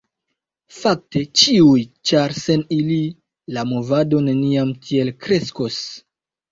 Fakte, ĉiuj, ĉar sen ili, la movado neniam tiel kreskos.